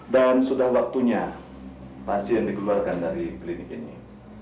sudah waktunya pasien dikeluarkan dari klinik ini